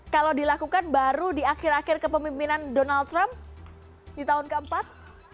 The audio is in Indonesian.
kalau dilakukan baru di akhir akhir kepemimpinan donald trump di tahun keempat